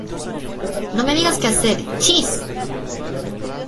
No me digas qué hacer. ¡ chis!